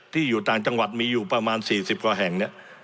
อยู่ต่างจังหวัดมีอยู่ประมาณ๔๐กว่าแห่งเนี่ย